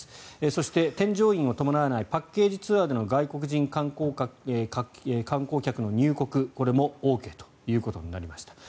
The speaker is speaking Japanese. そして添乗員を伴わないパッケージツアーでの外国人観光客の入国、これもＯＫということになりました。